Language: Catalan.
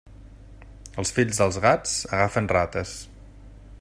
Els fills dels gats agafen rates.